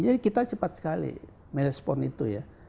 jadi kita cepat sekali melespon itu ya